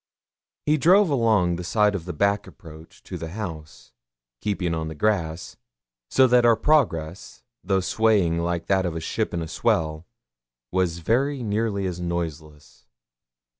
He drove along the side of the back approach to the house, keeping on the grass; so that our progress, though swaying like that of a ship in a swell, was very nearly as noiseless.